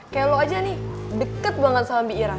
kayak lo aja nih deket banget sama biira